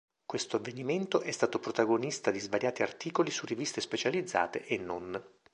Questo avvenimento è stato protagonista di svariati articoli su riviste specializzate e non.